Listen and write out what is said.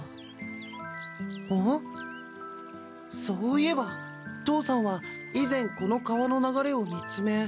そういえば父さんは以前この川の流れを見つめ。